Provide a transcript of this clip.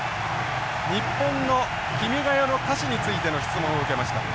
日本の「君が代」の歌詞についての質問を受けました。